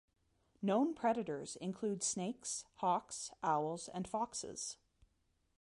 Known predators include snakes, hawks, owls, and foxes.